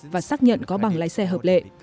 và xác nhận có bằng lái xe hợp lệ